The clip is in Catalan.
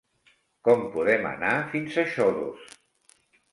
Com podem anar fins a Xodos?